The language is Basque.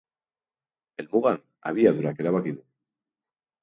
Helmugan, abiadurak erabaki du.